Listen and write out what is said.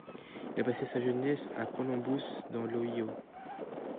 Il a passé sa jeunesse à Columbus dans l'Ohio.